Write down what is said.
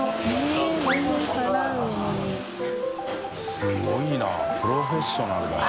垢瓦いプロフェッショナルだよな。